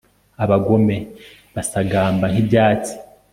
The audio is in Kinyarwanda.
abagome basagamba nk'ibyatsi